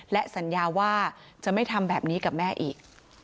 และสัญญาว่าจะไม่ทำแบบนี้กับแม่อีก